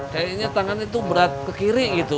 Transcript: kayaknya tangannya tuh berat ke kiri gitu